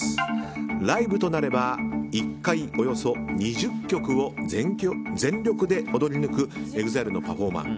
ライブとなれば１回およそ２０曲を全力で踊り抜くＥＸＩＬＥのパフォーマー。